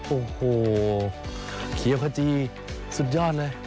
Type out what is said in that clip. โอ้โหเปรี้ยวคัจจี้สุดยอดเลย